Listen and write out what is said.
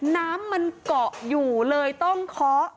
น้ำมันเกาะอยู่เลยต้องเคาะ